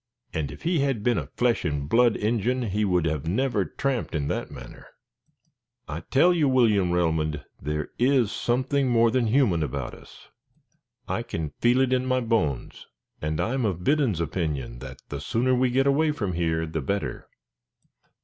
"And if he had been a flesh and blood Injin he would have never tramped in that manner. I tell you, William Relmond, there is something more more than human about us. I can feel it in my bones, and I'm of Biddon's opinion that the sooner we get away from here the better."